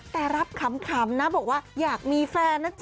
แต่รับขำนะบอกว่าอยากมีแฟนนะจ๊